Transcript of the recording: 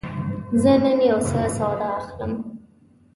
زه نن یوڅه سودا اخلم.